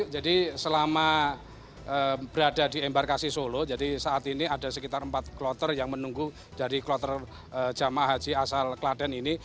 jadi selama berada di embarkasi solo saat ini ada sekitar empat kloter yang menunggu dari kloter jamaah haji asal kladen ini